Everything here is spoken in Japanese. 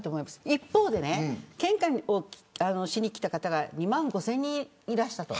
一方で献花をしに来た方が２万５０００人いらしたと。